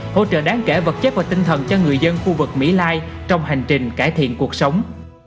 hỗ trợ đáng kể vật chất và tinh thần cho người dân khu vực mỹ lai trong hành trình cải thiện cuộc sống